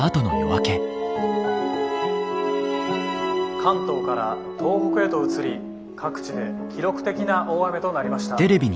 「関東から東北へと移り各地で記録的な大雨となりました。